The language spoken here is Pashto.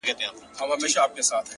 o د سرو شرابو د خُمونو د غوغا لوري ـ